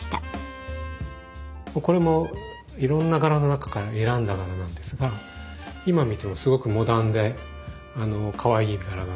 これもいろんな柄の中から選んだ柄なんですが今見てもすごくモダンでかわいい柄だなと思います。